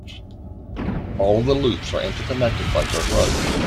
All of the loops are interconnected by dirt roads.